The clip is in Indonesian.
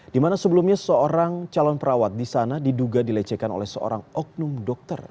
dimana sebelumnya seorang calon perawat disana diduga dilecehkan oleh seorang oknum dokter